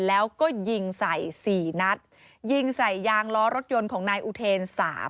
แล้วก็ยิงใส่สี่นัดยิงใส่ยางล้อรถยนต์ของนายอุเทนสาม